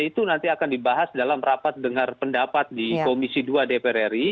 itu nanti akan dibahas dalam rapat dengar pendapat di komisi dua dpr ri